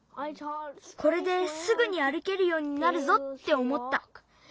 これですぐにあるけるようになるぞっておもった。